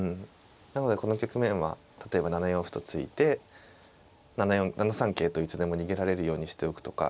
なのでこの局面は例えば７四歩と突いて７三桂といつでも逃げられるようにしておくとか。